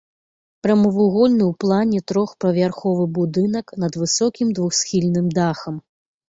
Прамавугольны ў плане трохпавярховы будынак пад высокім двухсхільным дахам.